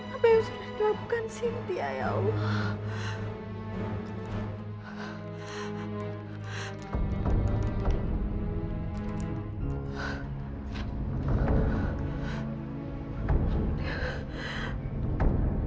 apa yang sudah dilakukan si hidayah allah